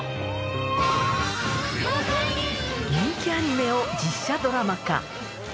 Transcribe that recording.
人気アニメを実写ドラマ化。